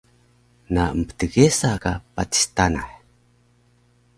Na mptgesa ka patis tanah